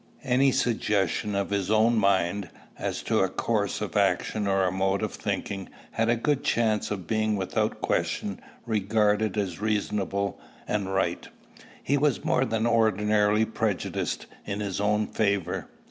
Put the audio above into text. Any suggestion of his own mind, as to a course of action or a mode of thinking, had a good chance of being without question regarded as reasonable and right: he was more than ordinarily prejudiced in his own favor.